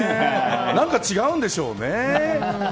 何か違うんでしょうね。